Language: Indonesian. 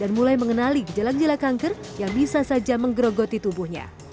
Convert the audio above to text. dan mulai mengenali gejala gejala kanker yang bisa saja menggerogoti tubuhnya